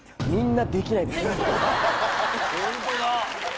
ホントだ！